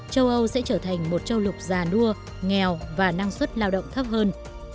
châu âu sẽ trở thành một châu lục già nua nghèo và năng suất lao động thấp hơn